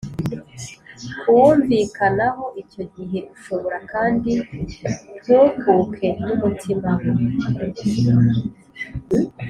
Kuwumvikanaho icyo gihe ushobora kandi ntukuke n umutima we